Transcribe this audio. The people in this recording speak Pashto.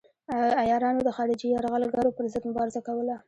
عیارانو د خارجي یرغلګرو پر ضد مبارزه کوله.